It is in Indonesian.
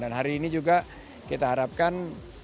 dan hari ini juga kita harapkan